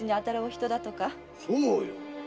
そうよ！